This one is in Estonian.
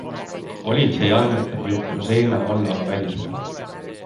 Politsei andmetel võib Božena olla ka välismaal.